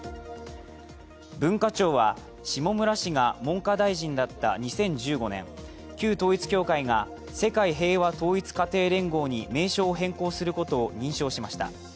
文化庁は下村氏が文科大臣だった２０１５年旧統一教会が世界平和統一家庭連合に名称を変更することを認証しました。